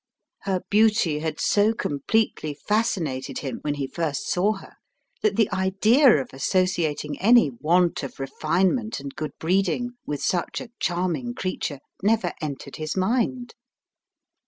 Her beauty had so completely fascinated him when he first saw her that the idea of associating any want of refinement and good breeding with such a charming creature never entered his mind.